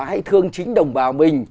hãy thương chính đồng bào mình